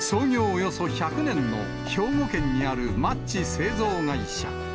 およそ１００年の兵庫県にあるマッチ製造会社。